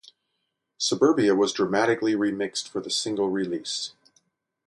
"Suburbia" was dramatically remixed for the single release.